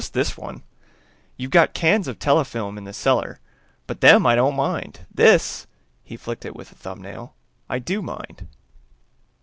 "Just this one. You've got cans of telefilm in the cellar, but them I don't mind. This," he flicked it with a thumbnail, "I do mind."